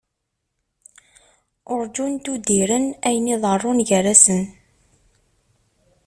Urǧin d-udiren ayen iḍerrun gar-asen.